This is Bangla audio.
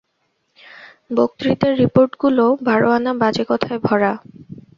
বক্তৃতার রিপোর্টগুলোও বার আনা বাজে কথায় ভরা।